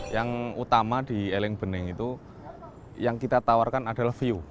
yang utama di eleng bening itu yang kita tawarkan adalah view